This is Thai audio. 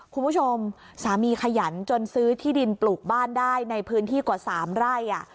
คุณผู้ชมสามีขยันจนซื้อที่ดินปลูกบ้านได้ในพื้นที่กว่า๓ไร่